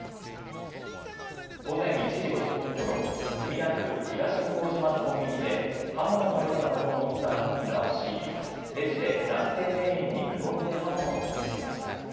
午前１時５０分ごろ、墨田区東向島のコンビニで、刃物のようなものを持った犯人が押し入り、レジで男性店員に無言で刃物を突きつけました。